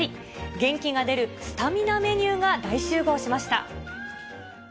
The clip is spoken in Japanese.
元気が出るスタミナメニューが大集合しました。